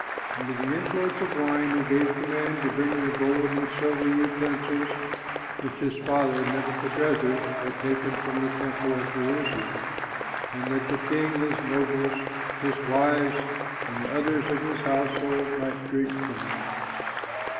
Under the influence of wine, he gave command to bring the gold and silver utensils which his father, Nebuchadrezzar, had taken from the temple at Jerusalem, that the king, his nobles, his wives, and the others of his household might drink from them.